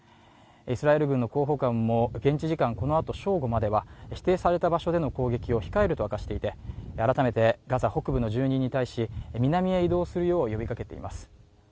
イスラエル軍の広報官も現地時間このあと正午までは指定された場所での攻撃を控えると明かしていて、改めてガザ北部の住人に対し南へ移動するよう呼びかけています。